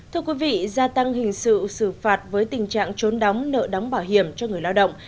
thưa quý vị gia tăng hình sự xử phạt với tình trạng trốn đóng nợ đóng bảo hiểm cho người lao động